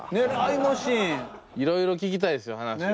いろいろ聞きたいですよ話。